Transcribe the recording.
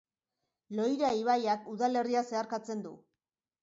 Loira ibaiak udalerria zeharkatzen du.